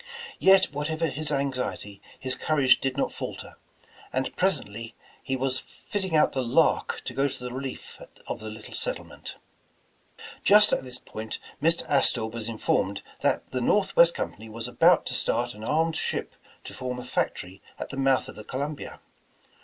Yet whatever his anxiety, his courage did not falter, and presently he was fitting out the Lark to go to the relief of the little settlement. Just at this point, Mr. Astor was informed that the Northwest Company was about to start an armed ship to form a factory at the mouth of the Columbia.